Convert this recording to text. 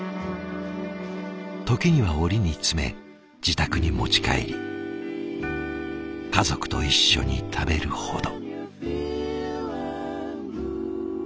時には折に詰め自宅に持ち帰り家族と一緒に食べるほど。